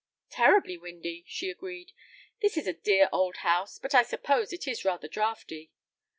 "Terribly windy," she agreed. "This is a dear old house, but I suppose it is rather draughty."